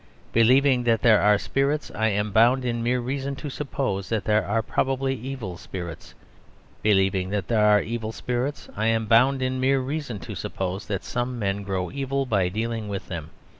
Believing that there are spirits, I am bound in mere reason to suppose that there are probably evil spirits; believing that there are evil spirits, I am bound in mere reason to suppose that some men grow evil by dealing with them.